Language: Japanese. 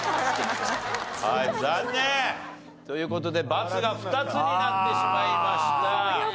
はい残念！という事でバツが２つになってしまいました。